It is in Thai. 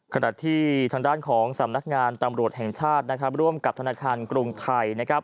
ขณะที่ทางด้านของสำนักงานตำรวจแห่งชาติร่วมกับธนาคารกรุงไทย